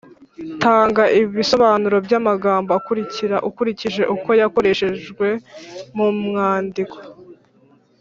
Tanga ibisobanuro by’amagambo akurikira ukurikije uko yakoreshejwe mu mwandiko